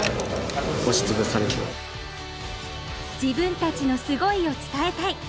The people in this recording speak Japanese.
自分たちの「すごい」を伝えたい。